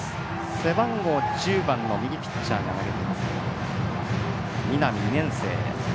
背番号１０番の右ピッチャーが投げています南、２年生。